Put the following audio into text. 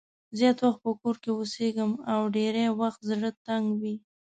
زیات وخت په کور کې اوسېږم او ډېری وخت زړه تنګ وي.